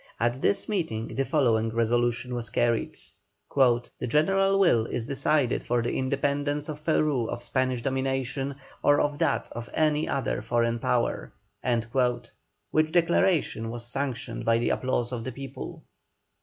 At this meeting the following resolution was carried: "The general will is decided for the independence of Peru of Spanish domination, or of that of any other foreign power." Which declaration was sanctioned by the applause of the people.